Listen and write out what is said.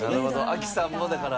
亜希さんもだから。